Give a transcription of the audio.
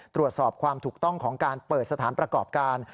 ตรวจสอบความถูกต้องของการเปิดสถานประกอบการ